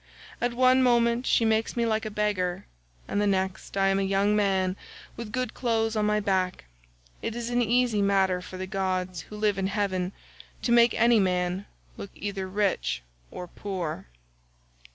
At one moment she makes me like a beggar, and the next I am a young man with good clothes on my back; it is an easy matter for the gods who live in heaven to make any man look either rich or poor."